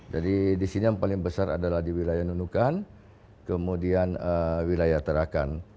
jadi di sini yang paling besar di wilayah nunukan kemudian wilayah tarakan